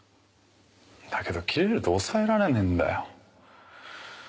だけどキレると抑えられねえんだよ。